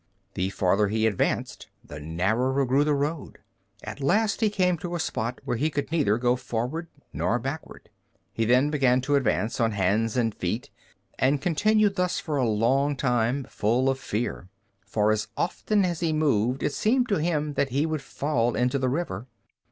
The farther he advanced, the narrower grew the road. At last he came to a spot where he could neither go forward nor backward. He then began to advance on hands and feet and continued thus for a long time, full of fear. For as often as he moved it seemed to him that he would fall into the river.